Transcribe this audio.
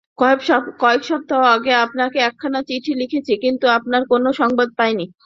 কয়েক সপ্তাহ আগে আপনাকে একখানা চিঠি লিখেছি, কিন্তু আপনার কোন সংবাদ পাইনি।